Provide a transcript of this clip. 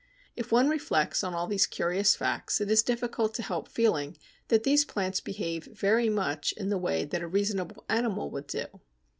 If one reflects on all these curious facts, it is difficult to help feeling that these plants behave very much in the way that a reasonable animal would do.